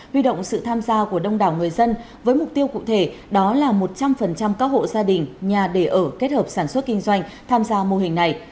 huy động sự tham gia của đông đảo người dân với mục tiêu cụ thể đó là một trăm linh các hộ gia đình nhà đề ở kết hợp sản xuất kinh doanh tham gia mô hình này